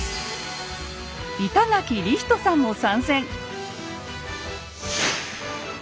板垣李光人さんも参戦！